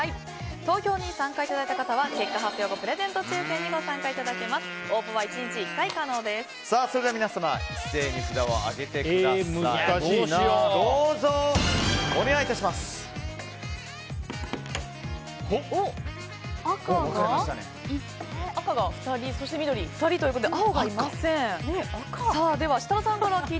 投票にご参加いただいた方は結果発表後プレゼント抽選に皆さん一斉に札を上げてください。